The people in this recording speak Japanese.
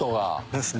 ですね。